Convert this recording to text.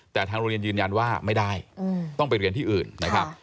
แต่ทางโรงเรียนยืนยันว่าไม่ได้ต้องไปเรียนที่อื่นนะครับ